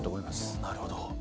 なるほど。